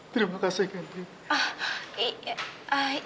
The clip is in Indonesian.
terima kasih candy